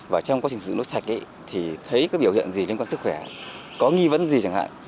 và trong quá trình sử dụng nước sạch thì thấy cái biểu hiện gì liên quan sức khỏe có nghi vấn gì chẳng hạn